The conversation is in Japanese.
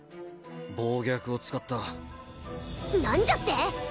暴虐を使った何じゃって！？